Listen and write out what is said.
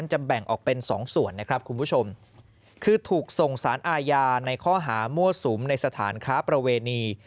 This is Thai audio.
จะแบ่งออกเป็นสองส่วนนะครับคุณผู้ชมคือถูกส่งสารอาญาในข้อหามั่วสุมในสถานค้าประเวณี